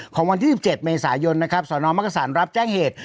ของวันที่สิบเจ็ดเมษายนนะครับสอนอมมักษรรับแจ้งเหตุ